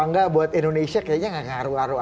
enggak buat indonesia kayaknya gak ngaruh aruh